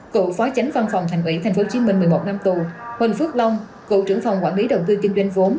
cựu phó tránh văn phòng thành ủy tp hcm một mươi một năm tù huỳnh phước long cựu trưởng phòng quản lý đầu tư kinh doanh vốn